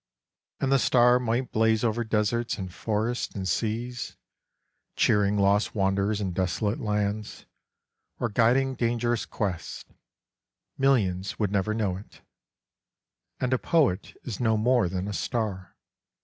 And the star might blaze over deserts and forests and seas, cheering lost wanderers in desolate lands, or guiding dangerous quests; millions would never know it. And a poet is no more than a star.